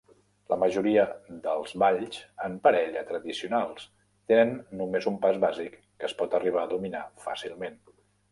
La majoria dels balls en parella tradicionals tenen només un pas bàsic que es pot arribar a dominar fàcilment.